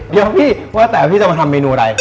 เดี๋ยวพี่ว่าแต่พี่จะมาทำเมนูอะไร